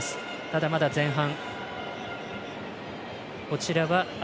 ただ、まだ前半。